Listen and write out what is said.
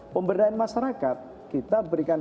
pemberdayaan masyarakat kita berikan